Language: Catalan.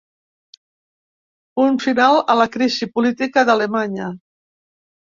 Punt final a la crisi política d’Alemanya.